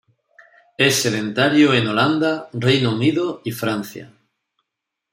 Es sedentario en Holanda, Reino Unido y Francia.